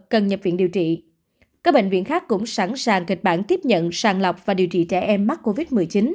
các bệnh viện khác cũng sẵn sàng kịch bản tiếp nhận sàng lọc và điều trị trẻ em mắc covid một mươi chín